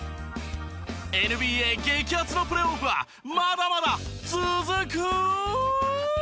ＮＢＡ激熱のプレーオフはまだまだ続く！